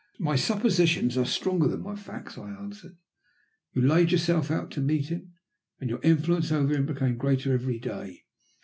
"My suppositions are stronger than my facts," I answered. "You laid yourself out to meet him, and your influence over him became greater every day.